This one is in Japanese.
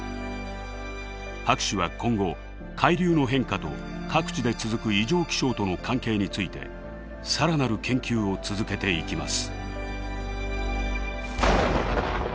博士は今後海流の変化と各地で続く異常気象との関係について更なる研究を続けていきます。